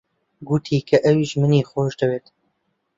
گوتی کە ئەویش منی خۆش دەوێت.